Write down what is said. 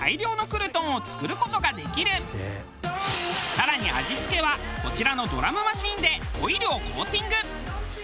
更に味付けはこちらのドラムマシンでオイルをコーティング。